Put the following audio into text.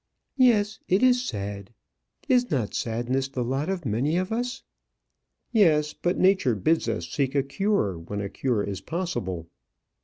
"Yes, it is sad. Is not sadness the lot of many of us?" "Yes; but nature bids us seek a cure when a cure is possible."